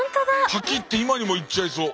パキッて今にもいっちゃいそう。